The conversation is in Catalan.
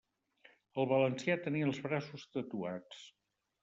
El valencià tenia els braços tatuats.